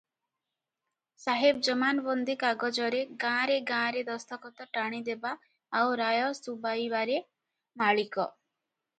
ସାହେବ ଜମାନବନ୍ଦୀ କାଗଜରେ ଗାଁରେ ଗାଁରେ ଦସ୍ତଖତ ଟାଣିଦେବା ଆଉ ରାୟ ଶୁବାଇବାରେ ମାଲିକ ।